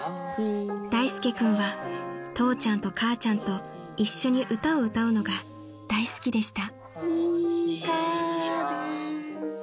［大介君は父ちゃんと母ちゃんと一緒に歌を歌うのが大好きでした］